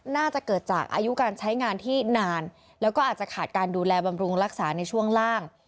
น่าจะเกิดจากอายุการใช้งานที่นานแล้วก็อาจจะขาดการดูแลบำรุงรักษาในช่วงล่าง